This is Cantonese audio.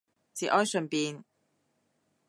節哀順變